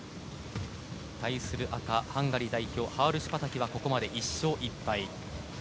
対する赤、ハンガリー代表ハールシュパタキはここまで１勝１敗。